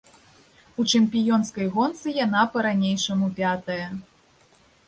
У чэмпіёнскай гонцы яна па-ранейшаму пятая.